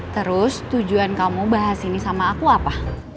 terus tujuan kamu bahas ini sama aku apa